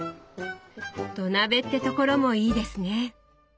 土鍋ってところもいいですね。